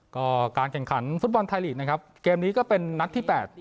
ก็การแข่งขันฟุตบอลไทยลีกนะครับเกมนี้ก็เป็นนัดที่๘